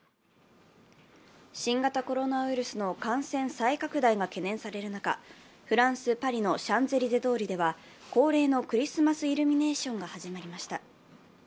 新型コロナウイルスの感染再拡大が懸念される中フランス・パリのシャンゼリゼ通りでは恒例のクリスマスイルミネーションが始まりました。